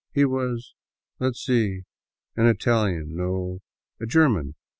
He was — let 's see — an Italian ; no, a German.